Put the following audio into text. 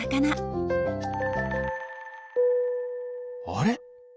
あれ？